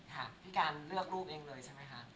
ค่ะพี่การเลือกลูกเองเลยใช่ไหมคะ